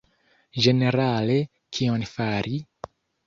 Ĝenerale, kion fari?